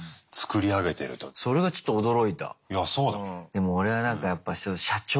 でも俺はなんかやっぱ社長。